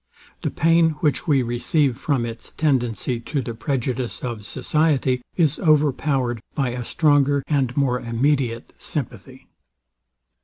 The pain, which we receive from its tendency to the prejudice of society, is over powered by a stronger and more immediate sympathy.